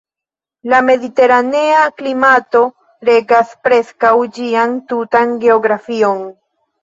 La mediteranea klimato regas preskaŭ ĝian tutan geografion.